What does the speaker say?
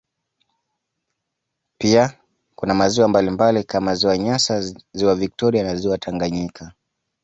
Pia kuna maziwa mbalimbali kama ziwa nyasa ziwa victoria na ziwa Tanganyika